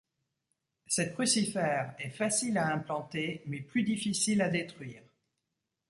Cette crucifère est facile à implanter mais plus difficile à détruire.